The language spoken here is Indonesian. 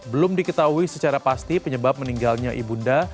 belum diketahui secara pasti penyebab meninggalnya ibunda